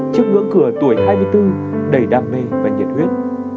trước ngưỡng cửa tuổi hai mươi bốn đầy đam mê và nhiệt huyết